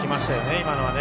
今のは。